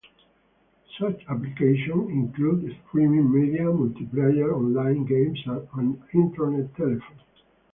Such applications include streaming media, multiplayer online games and Internet telephony.